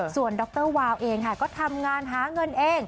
ส่วนดรวาวเองค่ะก็ทำงานหาเงินเอง